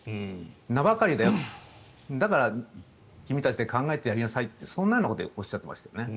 名ばかりだよだから、君たちで考えてやりなさいってそんなようなことをおっしゃっていましたね。